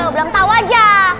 belum tau aja